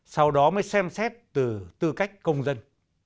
sau đó mới xem xét từ tư cách công dân